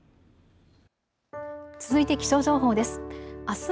続いて気象情報です。